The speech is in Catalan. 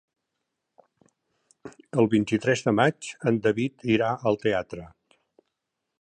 El vint-i-tres de maig en David irà al teatre.